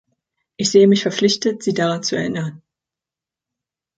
Ich sehe mich verpflichtet, Sie daran zu erinnern.